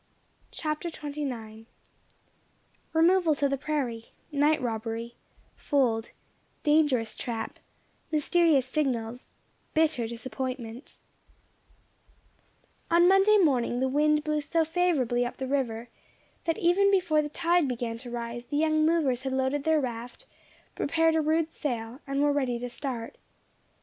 CHAPTER XXIX REMOVAL TO THE PRAIRIE NIGHT ROBBERY FOLD DANGEROUS TRAP MYSTERIOUS SIGNALS BITTER DISAPPOINTMENT On Monday morning, the wind blew so favourably up the river, that even before the tide began to rise, the young movers had loaded their raft, prepared a rude sail, and were ready to start.